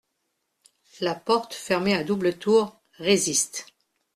La porte fermée à double tour, résiste.